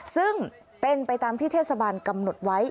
ซึ่งเป็นไปตามที่เทศบาลกำหนดไว้